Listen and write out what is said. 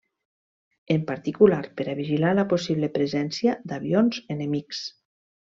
En particular per a vigilar la possible presència d’avions enemics.